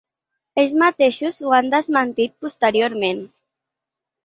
Ells mateixos ho han desmentit posteriorment.